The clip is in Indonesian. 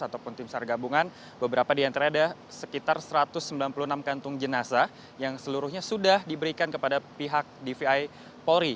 ataupun tim sargabungan beberapa di antara ada sekitar satu ratus sembilan puluh enam kantung jenazah yang seluruhnya sudah diberikan kepada pihak dvi polri